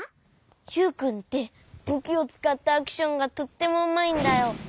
ユウくんってぶきをつかったアクションがとってもうまいんだよ。